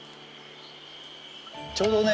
ちょうどね